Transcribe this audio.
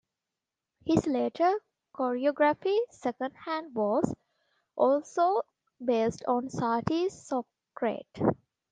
His later choreography "Second Hand" was also based on Satie's "Socrate".